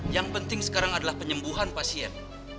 yang penting sekarang adalah penyembuhan pasien